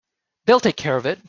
They'll take care of it.